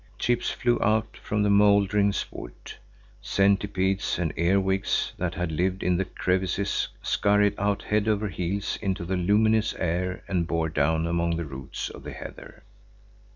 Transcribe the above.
Chips flew out from the mouldering wood. Centipedes and earwigs that had lived in the crevices scurried out head over heels into the luminous air and bored down among the roots of the heather.